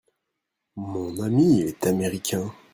Mon ami est américain.